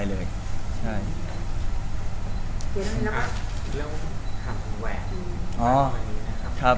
อีกเรื่องคำแห่งอ๋อครับ